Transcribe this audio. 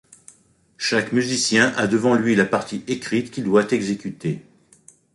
Chaque musicien a devant lui la partie écrite qu'il doit exécuter.